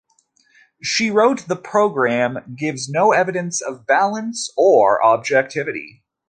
She wrote The program gives no evidence of balance or objectivity.